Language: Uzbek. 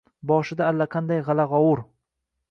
Boshida allaqanday g‘ala-g‘ovur.